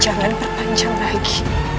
jangan memperpanjang lagi